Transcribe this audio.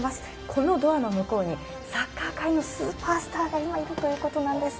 このドアの向こうにサッカー界のスーパースターが今いるということなんです。